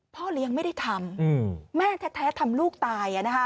พ่อเลี้ยงไม่ได้ทำแม่แท้ทำลูกตาย